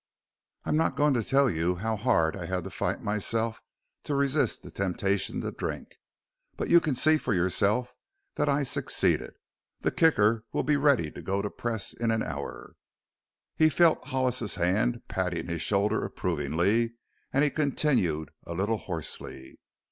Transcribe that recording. I am not going to tell you how hard I had to fight myself to resist the temptation to drink. But you can see for yourself that I succeeded. The Kicker will be ready to go to press in an hour." He felt Hollis's hand patting his shoulder approvingly and he continued, a little hoarsely.